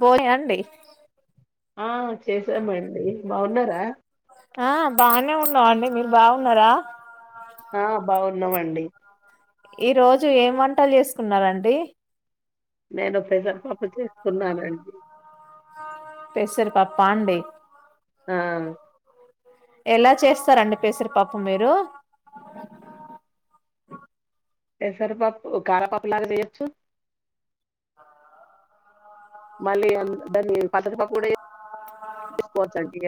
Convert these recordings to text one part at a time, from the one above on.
Buoy అండి ఆ చేసామండి. బాగున్నారా? ఆ బాగానే ఉన్నమండి. మీరు బాగున్నరా? అ వున్నమండి ఈ రోజు ఏం వంటలు చేసుకున్నారండి నేను పెసర్పప్పు చేస్తున్నానండి పెసర్పప్ప అండి ఆ ఎలా చేస్తారండి పెసర్పప్పు మీరు పెసరపప్పు కారా పప్పు లాగా చేయచ్చు మళ్ళీ దాన్ని పతకపా కూడా చేస్కోవచ్చు అండి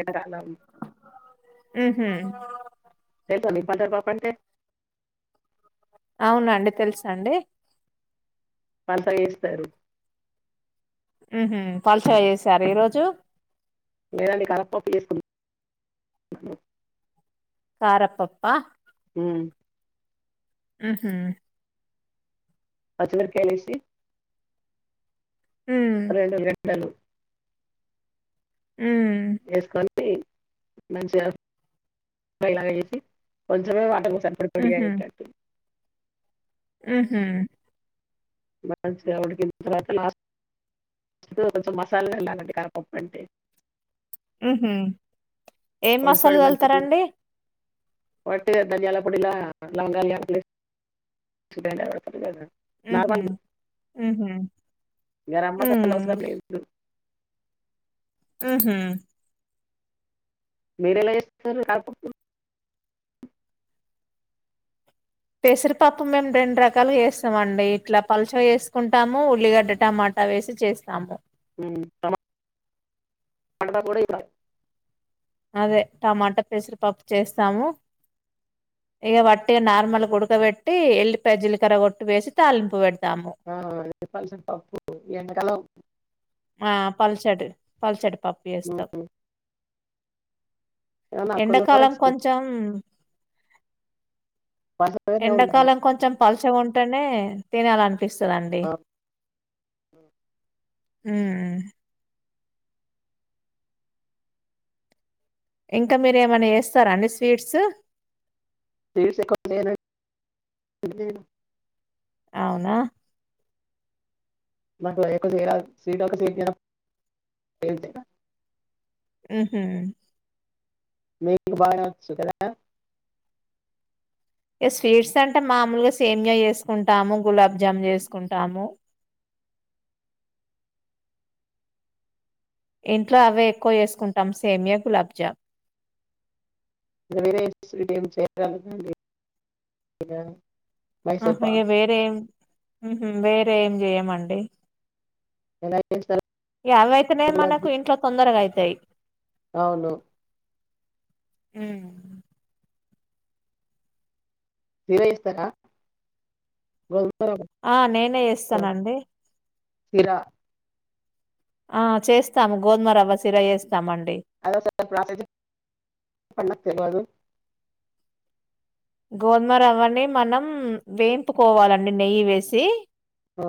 ఆ హ్మ్మ్ రేకని పెసరపప్పు అంటే అవునండి తెలుసా అండి పల్చగా చేస్తారు ఊహ్మ్మ్ పల్సగా చేసారా ఈరోజు లేదండి కరప్పప్పు చచేసుకున్నం కారప్పప్ప హ్మ్మ్ ఆ హ్మ్మ్ పచ్చిమిరపకాయలేసి ఉమ్ రెండు ఉలి యాలు హ్మ్మ్ మంచిగాలా ఫ్రై లాగచేసి కొంచమే వాటర్ పోసి సంపొడిగాయితది ఊహ్మ్మ్ మంచిగా ఉడికిన తర్వాత లాస్ట్ కొంచెం మసాలాగా అండి కరాపప్పు అంటే ఊహ్మ్మ్ ఏం మసాలా జల్తారెండి వాటిగ ధనియాలా పొడిలా లవంగానిలే ఉహామ్ ఉహామ్ గరం మసాలా అవసరం మ్మ్మ్మ్ లేదు ఊహ్మ్మ్ మీరెలా చేస్తారు కరపప్పు పెసరిపప్పు మేము రెండు రకాలు వేస్తామ అండి ఇట్లా పల్చగా చేసుకుంటాము ఉల్లిగడ్డ టమాటా వేసి చేస్తాము టమాటా కుడా వేయాలి అదే టమాటా పెసరి పప్పు చేస్తాము ఇక వట్టిగా నార్మల్ ఉడకబెట్టి ఎల్లి పజీలికర్ర కొట్టి వేసి తాలింపు పెడతాం ఆ అ పల్సన్ పప్పు ఎడకాల ఆ పల్సటి పల్సటి పప్పు చేస్తార్ ఉమ్, ఏమన్నా అక్కలు కూడా ఎండాకాలం కొంచెం పసగానే ఉండాలి ఎండాకాలం కొంచెం పోల్స ఉంటేనే తినాలంన్ పిస్తాడండి ఆ ఇంకా మీరుేమైనా చేస్తారా అండి స్వీట్స్ రస్ ఎ కొ అవునా మట్లా ఒక స సట్ ఒక స ఆహ మీబాక ఇ స్వీట్స్ అంటే మామూలుగా సేమ్గా చేసుకుంటాము గులాబ్జామున్ చేసుకుంటాము ఇంట్లో అవే ఎక్కువ వేసుకుంటాం సేమియా గులాబ్జామ్ వేర చేాల ఆ అ వేర వేర ఏం చేయంం మండడి ఎలా చేస్తారు అవైతేనే గులాబ్ మనకు జామ్? ఇంట్లో తొందరగా అవుతాయి అవును అ సిర ఇస్తార ఆ నేనే ఇస్తానండి చిరా ఆ చేస్తాము గోధుమ రవ్వ వేస్తాం అ ప్ర గోధుమ రవని మనం వేంపుకోవాలండి నెయ్యి వేసి ఆ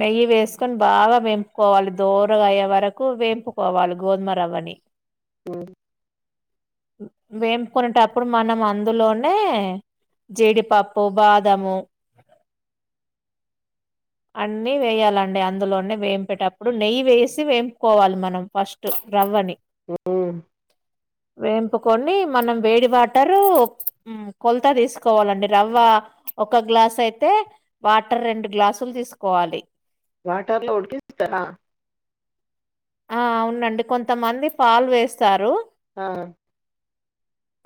నెయ్యి వేసుకొని బాగా వంపుకోవాలి దోరగాయ్యే వరకు వేంపుకోవాలి గోధుమ రవ్వని ఆ వేంపుకునేటప్పుడు మనం అందులోనే జీడిపప్పు బాదము అన్నీ వేయాలండి అందులోనే వేంపేటప్పుడు నెయ్యి వేసి వేంపుకోవాలి మనం ఫస్ట్ రవ్వని ఆ వేంపుకొని మనం వేడి వాటరు కొలతా తీసుకోవాలండి రవ్వ ఒక గ్లాస్ అయితే వాటర్ రెండు గ్లాస్ పలు తీసుకోవాలి వాటర్లో ఉడికిస్తత ఆ అవునండి కొంతమంది పాలు వేస్తారు ఆ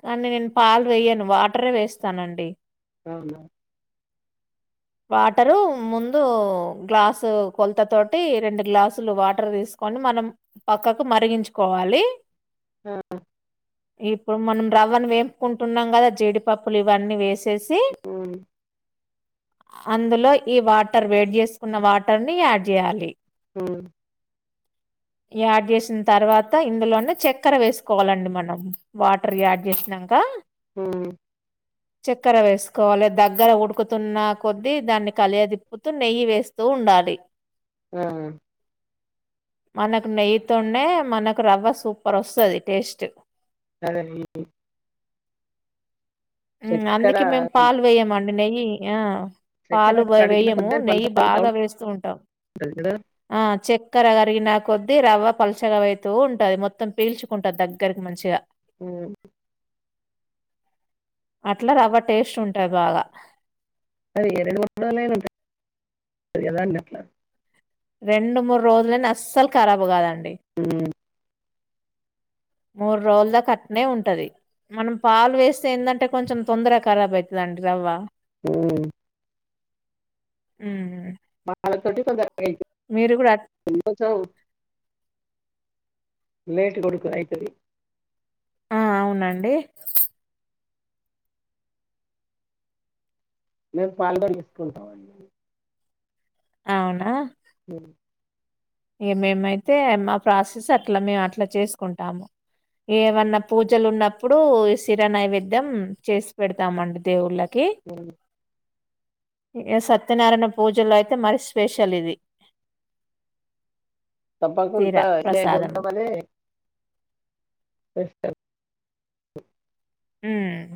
కానీ నేను పాలు వేయను వాటరే వేస్తానండి అవునా వాటరు ముందు గ్లాసు కొలత తోటి రెండు గ్లాసులు వాటర్ తీసుకు కొని మనం పక్కకు మరిగించుకోవాలి ఆ ఇప్పుడు మనం రవ్వను వేంపుకుంటున్నాం కదా జీడిపప్పులు ఇవన్నీ వేసి చేసి ఉమ్ అందులో ఈ వాటర్ వేట్ చేసుకున్న వాటర్ ని యాడ్ చేయాలి హ యాడ్ చేసిన తర్వాత ఇందులోనే చక్కెర వేసుకోవాలండి మనం వాటర్ యాడ్ చేసినాక ఆ చక్కెర వేసుకోవాలి దగ్గర ఉడుకుతున్నా కొద్దీ దాన్ని కలియదిిప్పుతూ నెయ్యి వేస్తూ ఉండాలి ఆ మనకు నెయ్యితోండే మనకు రవ్వ సూపర్ వస్తుంది టేస్ట్ సరే ఉమ్ చక్కెర అందుకే మేము పాలు పోయమం నెయ్యి ఆ చక్కెర పాలు కడిగిన బో-వేయ్యము కొద్ది అది నెయ్యి పలుసగైతా బాగా వేస్తూ ఉంటాం ఉంటది కదా ఆ చక్కెర కరిగ నాక కొద్ది రవ్వ పలచగ అవుతూ ఉంటది మొత్తం పీల్చుకుంటది దగ్గరకి మంచిగా ఉమ్ అట్లా రవ్వ టేస్ట్ ఉంటాయి బాగా అది ఏ రెండు [unintelligible] టాయి కదా అండి అట్లా రెండు మూడు రోజులని అస్సలు కరాబ్ కాదం ఉమ్ మూడు రోజులు దాక అట్నే ఉంటది మనం పాలు వేస్తే ఎందంటే కొంచెం తొందరగ కరాబ్ అయితదండి రవ్వ ఉమ్ ఉమ్ [inaudible] కొంద గూడా అట్ [inaudible] లేట్ కొడుకు అయితది అండి మేము పాలు తోటి చేసుకుంటామండి అవునా ఉమ్ ఇగ మేమైతే మా ప్రాసెస్ అట్లా మేము అట్లా చేసుకుంటాము ఏమన్నా పూజలు ఉన్నప్పుడు ఈ సిర నైవేద్యం చేసి పెడతామండి దేవుళ్ళ ఉమ్ ఇగ సత్యనారాయణ పూజలో అయితే మరి స్పెషల్ ఇది తప్పకుంట సిరా నే ప్రసాదము కోసమనే చేస్తం ఉమ్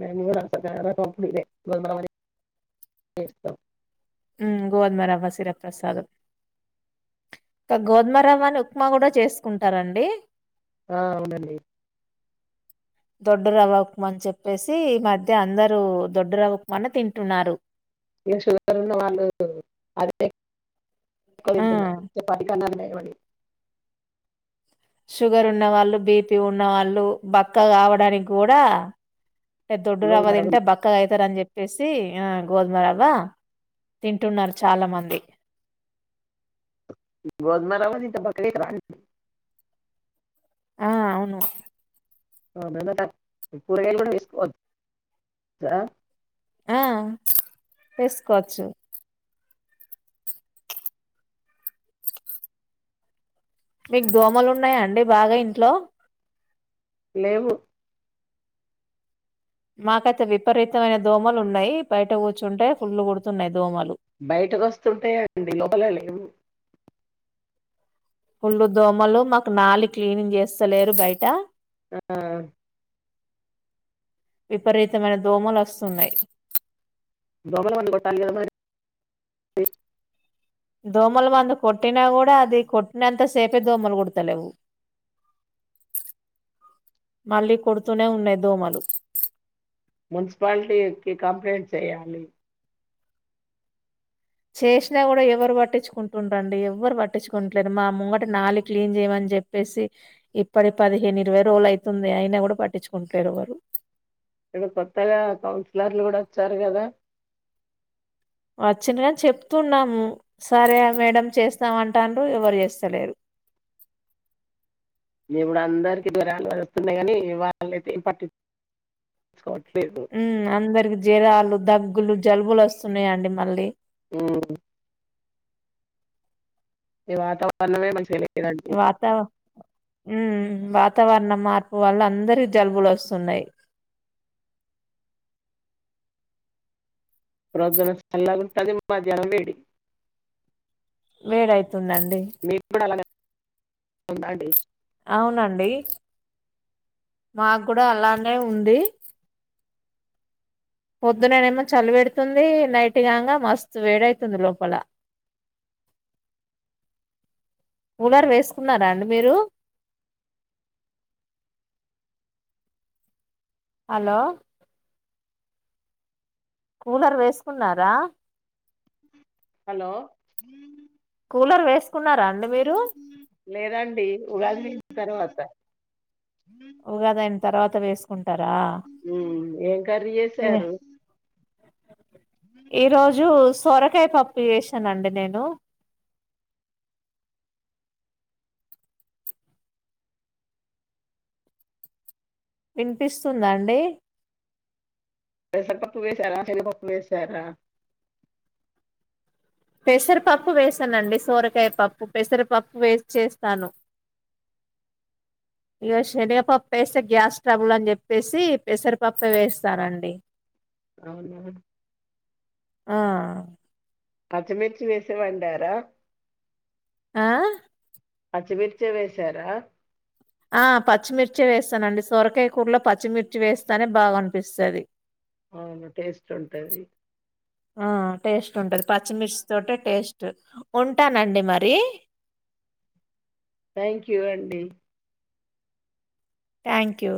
మెంకూడా సత్యనారాయణ స్వామి అప్పుడు [inaudible] గోధుమరవ్వ శిరప్రసాదం ఇగ గోధుమరవ్వను ఉప్మా కూడా చేసుకుంటారండి ఆ అవునండి దొడ్డు రవ్వ ఉప్మా అని చెప్పేసి ఈ మధ్య అందరుూ దొడ్డు రవ్వ ఉప్మానీ తింటున్నారు ఇగ షుగర్ ఉన్న వాళ్ళు అదే ఎక్కవ ఆ తింటున్నారు అది మే ఏవండీ షుగర్ ఉన్నవాళ్ళు బీపి ఉన్నవాళ్ళు బక్క కావడానికి కూడా దొడ్డు రావ గోధుమ రవ్వ తింటే బక్కగా అయితారు అని చెప్పి చెప్పేసి ఆ గోధుమ రవ్వ తింటున్నారు చాలా మంది గోధుమ రవ్వ తింటే బక్కగయితారా అండి ఆ అవును ఆ బెండకాయ కూరగాయలు కూడా వేసుకోవచ్చా ఆ వేసుకోవచ్చు మీకు దోమలు ఉన్నాయా అండి బాగా ఇంట్లో లేవు మాకైతే విపరీతమైన దోమలు ఉన్నయి, బయట కూర్చుంటే ఫుల్లు కుడుతున్నయి దోమలు. బయటకు వస్తుంటే అండి లోపలలు ఏమి ఫుళ్ళు దోమలు మాకు నాలి క్లీనింగ్ చేస్తలేరు బయట. అఆ విపరీతమైన దోమలు అస్తున్నయి. దోమల మందు కొట్టాలి కదా మరి. దోమల మందు కొట్టినా కూడా అది కొట్టినంత సేపే దోమలు కుడతలేవు, మళ్ళీ కుడుతూనే ఉన్నయి దోమలు. మున్సిపాలిటీకి కంప్లైంట్ చెయాలి. చేసినా కూడా ఎవరు పట్టించుకుంటుండ్రండి, ఎవ్వరు పట్టించుకుంటలేరు. మా ముంగట నాలి క్లీన్ చేయమని చెప్పేసి ఇప్పటి పదిహేను ఇరవై రోజులు అయితుంది అయినా కూడా పట్టించుకుంటలేరు ఎవరు. ఇప్పుడు కొత్తగా కౌన్సిలర్లు కూడా వచ్చారు కదా. వచ్చిన్రు గాని చెప్తున్నాం సరే మేడం చేస్తాం అంటన్రు ఎవరు చేస్తలేరు. ఇప్పుడు అందరికీ జరాలు వస్తున్నయి కాని వాళ్ళయితే పట్టించుకో ఉ అందరికి జరాలు, దగ్గులు జలుబులు వస్తున్నయండి మళ్ళీ. హ్ ఈ వాతావరణమే మంచిగలే ఈ వాతావ హుహ్ వాతావరణం మార్పు వల్లా అందరికి జలుబులు వస్తున్నయి. ప్రొదున్న నుంచి చల్లగా ఉంటది. మధ్యానం వేడి. వేడైతుందండి. మీకు కూడా అలానే ఉందా అండి. అవునండి. మాకు కూడా అలానే ఉంది. పొద్దుననే ఏమో చలి పెడుతుంది, నైట్ కాంగా మస్తు వేడైతుంది లోపల. కూలర్ వేసుకున్నారా అండి మీరు. హలో కూలర్ వేసుకున్నారా? హలో కూలర్ వేస్ కున్నారా అండి మీరు. లేదండి ఉగాది తర్వాత ఉగాది అయి న తర్వాత వేసుకుం టరా ఉమ్ ఏం కర్రీ ఏ చేసారు ఈ రోజు సోర కాయ పప్పు చేేశానండి నేను. వినిపిస్తుందా అండి. పెసరపప్పు వేసార, శనగ పప్పు వేసార. పెసరపప్పు వేసానండి. సోరకాయ పప్పు పెసరపప్పు వేసి చేస్తాను. ఇగ శనగపప్పు వేస్తే గ్యాస్ ట్రబుల్ అని చెప్పేసి పెసరపప్పే వేస్తానండి. అవునవును. ఆ పచ్చమిర్చి వేసి వండారా. ఆ పచ్చిమిర్చి వేశారా? ఆ పచ్చిమిర్చే వేస్తానండి. సొరకాయ కూరలో పచ్చిమిర్చి వేస్తనే బాగా అనిపిస్తది. అవును టేస్ట్ ఉంటది ఆ టేస్ట్ పచ్చిమిర్చి తోటి టేస్ట్ ఉంటానండి మరి థ్యాంక్ యూ అండి థ్యాంక్ యూ